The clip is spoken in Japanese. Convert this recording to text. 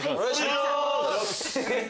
お願いします！